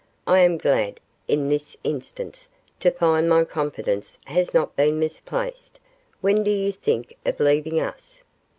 I am glad, in this instance, to find my confidence has not been misplaced; when do you think of leaving us?